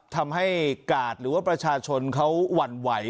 ทำให้กาดหรือว่าประชาชนเขาหวั่นไหว